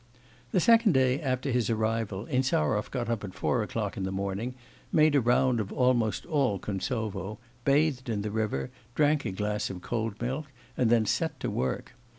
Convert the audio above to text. The second day after his arrival, Insarov got up at four o'clock in the morning, made a round of almost all Kuntsovo, bathed in the river, drank a glass of cold milk, and then set to work.